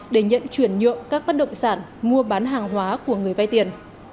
để nhận chuyển nhuộm các bất động sản mua bán hàng hóa của người vai tiền